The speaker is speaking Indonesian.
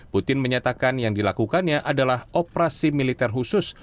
putin menyatakan yang dilakukannya adalah operasi militer khusus